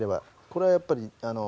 これはやっぱりあの。